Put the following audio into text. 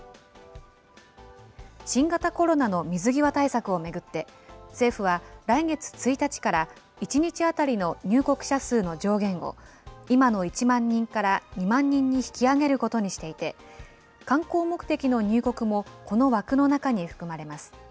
新型コロナの水際対策を巡って、政府は来月１日から、１日当たりの入国者数の上限を、今の１万人から２万人に引き上げることにしていて、観光目的の入国も、この枠の中に含まれます。